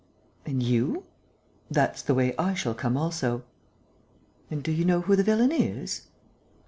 "And you?" "That's the way I shall come also." "And do you know who the villain is?"